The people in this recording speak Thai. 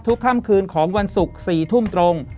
ค่ำคืนของวันศุกร์๔ทุ่มตรง